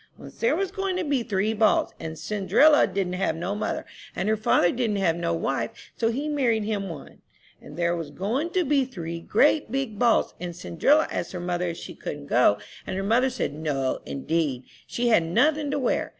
"Once there was goin' to be three balls, and Cindrilla didn't have no mother, and her father didn't have no wife, so he married him one. And there was goin' to be three great big balls, and Cindrilla asked her mother if she couldn't go, and her mother said, No, indeed; she hadn't nothin' to wear.